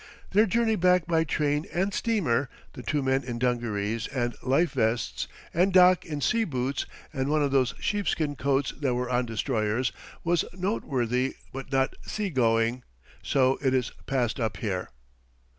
Their journey back by train and steamer the two men in dungarees and life vests, and Doc in sea boots and one of those sheepskin coats they wear on destroyers was noteworthy but not seagoing, so it is passed up here.